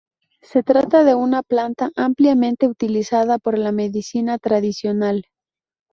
Se trata de una planta ampliamente utilizada por la medicina tradicional.